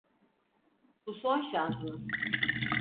Bu son şansınız.